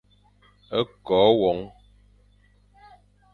Ko won.